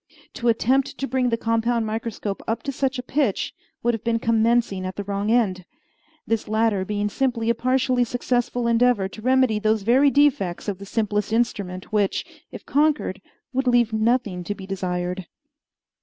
To attempt to bring the compound microscope up to such a pitch would have been commencing at the wrong end; this latter being simply a partially successful endeavor to remedy those very defects of the simplest instrument which, if conquered, would leave nothing to be desired.